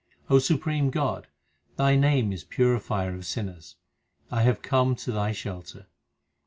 O Supreme God, Thy name is Purifier of sinners ; I have come to Thy shelter.